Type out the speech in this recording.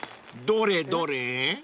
［どれどれ？］